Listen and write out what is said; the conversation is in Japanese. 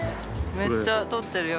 めっちゃ撮ってるよ。